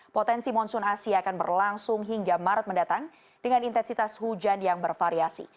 potensi monsoon asia akan berlangsung hingga maret mendatang dengan intensitas hujan yang bervariasi